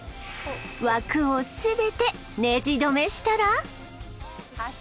枠を全てネジどめしたら